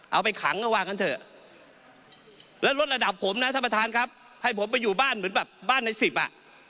เอาไปขังก็ว่ากันเถอะแล้วลดระดับผมนะท่านประธานครับให้ผมไปอยู่บ้านเหมือนแบบบ้านในสิบอ่ะ